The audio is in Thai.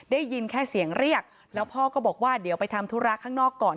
ได้ยินแค่เสียงเรียกแล้วพ่อก็บอกว่าเดี๋ยวไปทำธุระข้างนอกก่อน